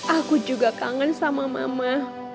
aku juga kangen sama mama